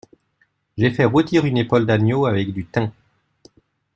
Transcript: J'ai fait rôtir une épaule d'agneau avec du thym.